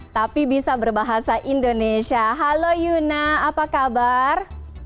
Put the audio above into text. tapi bisa berbahasa indonesia halo yuna apa kabar